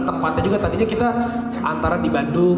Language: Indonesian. tempatnya juga tadinya kita antara di bandung